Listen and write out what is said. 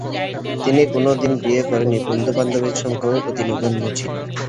তিনি কোনদিন বিয়ে করেননি, বন্ধুবান্ধবের সংখ্যাও অতি নগণ্য ছিল।